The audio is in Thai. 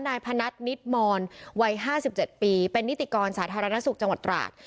นายพนัทนิดมอนวัย๕๗ปีเป็นนิติกรสาธารณสุขจังหวัดตราด